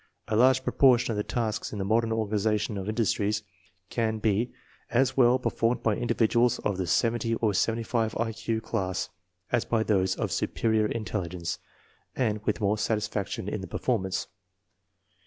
A large proportion of the tasks in the modern organization of industries can be as well per formed by individuals of the 70 or 75 I Q class as by those of superior intelligence, and with more satisfac tion in the performance.